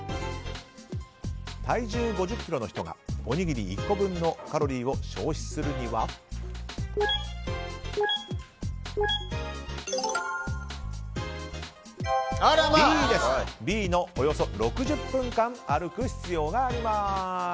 体重５０ｋｇの人がおにぎり１個分のカロリーを消費するにはＢのおよそ６０分間歩く必要があります。